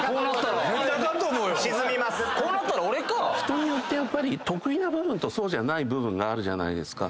人によって得意な部分とそうじゃない部分があるじゃないですか。